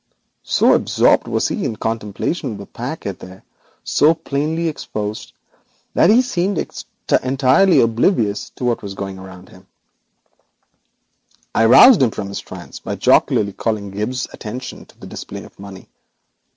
So absorbed was he in contemplation of the packet there so plainly exposed, now my attention was turned to it, that he seemed to be entirely oblivious of what was going on around him. I roused him from his trance by jocularly calling Gibbes's attention to the display of money.